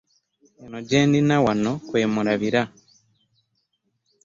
Eno gye nnina wano kwe mulabira.